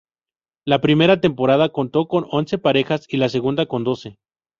La primera temporada contó con once parejas y la segunda con doce.